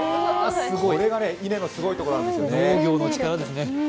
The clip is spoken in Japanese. これがね、稲のすごいところなんですよね。